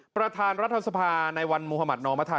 ประธานรัฐสภาในวันมุธมัธนอมธา